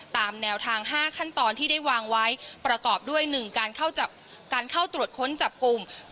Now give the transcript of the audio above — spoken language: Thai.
ตามแนวทาง๕ขั้นตอนที่ได้วางไว้ประกอบด้วย๑การเข้าตรวจค้นจับกลุ่ม